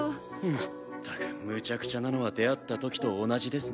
まったくむちゃくちゃなのは出会ったときと同じですね。